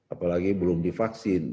apalagi belum divaksin